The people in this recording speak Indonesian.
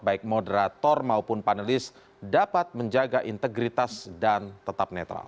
baik moderator maupun panelis dapat menjaga integritas dan tetap netral